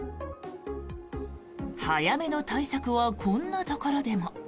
早めの対策はこんなところでも。